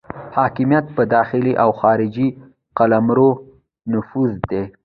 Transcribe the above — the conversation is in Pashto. حاکمیت په داخلي او خارجي قلمرو نفوذ دی.